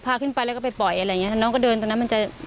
พาขึ้นไปแล้วก็ไปปล่อยอะไรอย่างเงี้น้องก็เดินตรงนั้นมันจะ